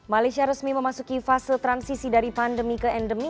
malaysia resmi memasuki fase transisi dari pandemi ke endemi